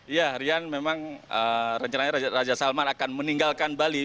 ya rian memang rencananya raja salman akan meninggalkan bali